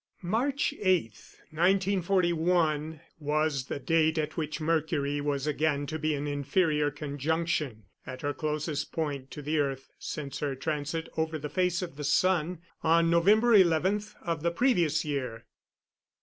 March 8, 1941, was the date at which Mercury was again to be in inferior conjunction at her closest point to the earth since her transit over the face of the sun on November 11 of the previous year.